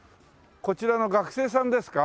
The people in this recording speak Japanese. こちらの学生さんですか？